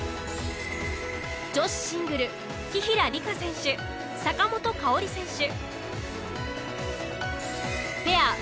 女子シングル紀平梨花選手坂本花織選手。